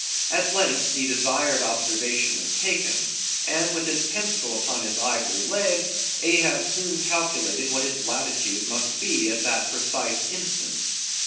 At length the desired observation was taken; and with his pencil upon his ivory leg, Ahab soon calculated what his latitude must be at that precise instant.